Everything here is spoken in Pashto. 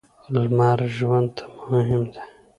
لمر ژوند ته مهم دی.